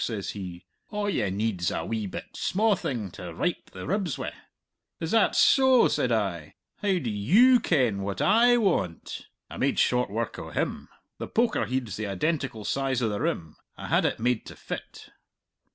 says he; 'a' ye need's a bit sma' thing to rype the ribs wi'.' 'Is that so?' says I. 'How do you ken what I want?' I made short work o' him! The poker heid's the identical size o' the rim; I had it made to fit."